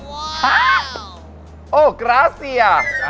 ว้าวโอ้กราเซีย